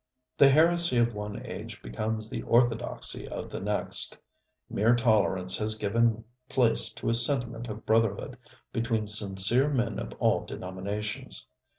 The heresy of one age becomes the orthodoxy of the next. Mere tolerance has given place to a sentiment of brotherhood between sincere men of all denominations.